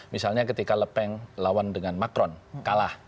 misalnya ketika lepeng lawan dengan macron kalah